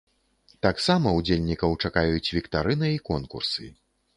Таксама ўдзельнікаў чакаюць віктарына і конкурсы.